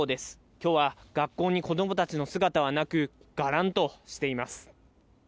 きょうは学校に子どもたちの姿はなく、がらんとしています。